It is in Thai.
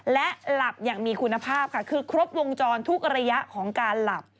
และหลับอย่างมีคุณภาพค่ะคือครบวงจรทุกระยะของการหลับ